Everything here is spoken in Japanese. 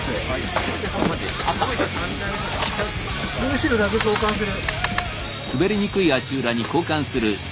後ろだけ交換する。